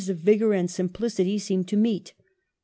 of vigor and simplicity seemed to meet.